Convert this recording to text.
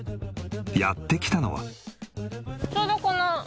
やって来たのは。